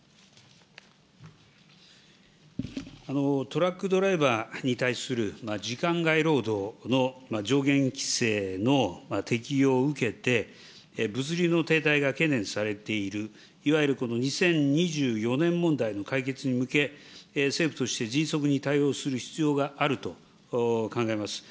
トラックドライバーに対する時間外労働の上限規制の適用を受けて、物流の停滞が懸念されている、いわゆるこの２０２４年問題の解決に向け、政府として迅速に対応する必要があると考えます。